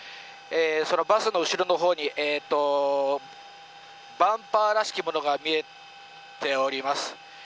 そのバスの後ろのほうにバンパーらしきものが見えております。